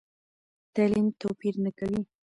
تعلیم توپیر نه کوي.